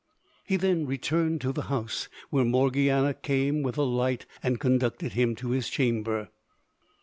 He then returned to the house, where Morgiana came with a light and conducted him to his chamber.